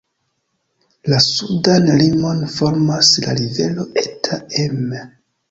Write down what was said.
La sudan limon formas la rivero Eta Emme.